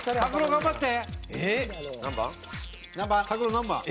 頑張って。